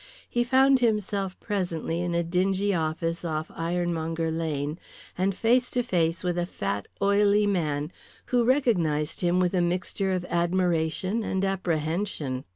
He found himself presently in a dingy office off Ironmonger Lane, and face to face with a fat, oily man, who recognized him with a mixture of admiration and apprehension.